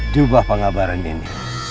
jubah pengabaran ini